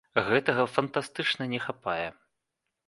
Гэтага фантастычна не хапае.